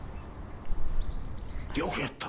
よくやった。